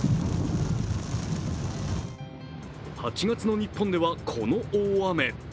８月の日本ではこの大雨。